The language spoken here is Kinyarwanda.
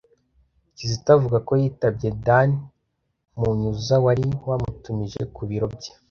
Kizito avuga ko yitabye Dan Munyuza wari wamutumije mu biro bye.